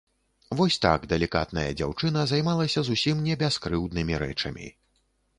Вось так далікатная дзяўчына займалася зусім не бяскрыўднымі рэчамі.